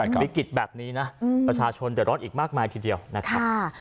วิกฤตแบบนี้นะประชาชนเดี๋ยวร้อนอีกมากมายทีเดียวนะครับ